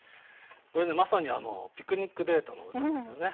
これねまさにピクニックデートの歌ですよね。